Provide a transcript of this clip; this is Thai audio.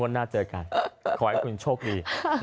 หน้าเจอกันขอให้คุณโชคดี